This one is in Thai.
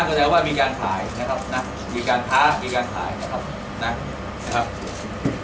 แสดงว่ามีการขายนะครับนะมีการค้ามีการขายนะครับนะครับ